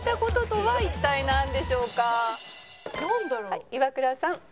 はいイワクラさん。